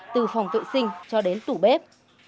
từ phòng tội sinh cho đến tủ bếp